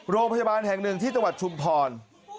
โรงพยาบาลแห่งหนึ่งที่จังหวัดชุมพร